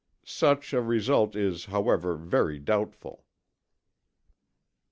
Such a result is, however, very doubtful.